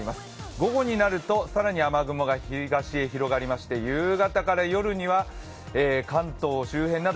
午後になると更に雨雲が東へ広がりまして夕方から夜には関東周辺など